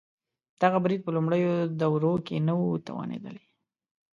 دغه برید په لومړنیو دورو کې نه و توانېدلی.